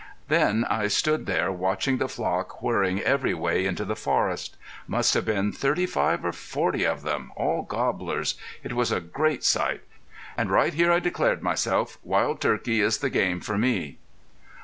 Then I stood there watching the flock whirring every way into the forest. Must have been thirty five or forty of them, all gobblers. It was a great sight. And right here I declared myself wild turkey is the game for me."